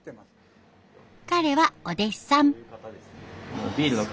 彼はお弟子さん。